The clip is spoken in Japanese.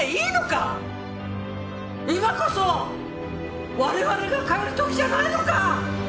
「今こそ我々が変える時じゃないのか！？」